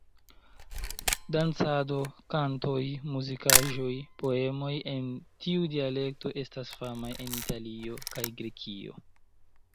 Dancado, kantoj, muzikaĵoj, poemoj en tiu dialekto estas famaj en Italio kaj Grekio.